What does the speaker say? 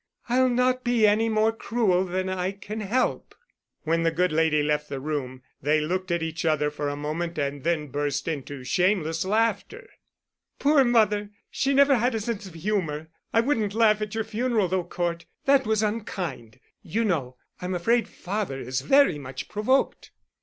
"I'll not be any more cruel than I can help." When the good lady left the room they looked at each other for a moment, and then burst into shameless laughter. "Poor mother! She never had a sense of humor. I wouldn't laugh at your funeral, though, Cort. That was unkind. You know, I'm afraid father is very much provoked."